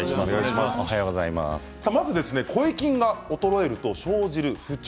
声筋が衰えると生じる不調